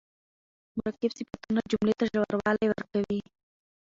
مرکب صفتونه جملې ته ژوروالی ورکوي.